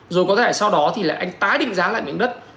rồi có thể sau đó thì lại anh tái định giá lại miếng đất